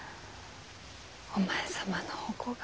お前様のお子が。